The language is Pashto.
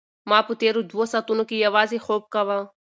ما په تېرو دوو ساعتونو کې یوازې خوب کاوه.